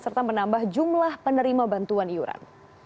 serta menambah jumlah penerima bantuan iuran